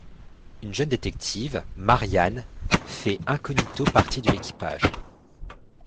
Une jeune détective, Marianne, fait incognito partie de l'équipage.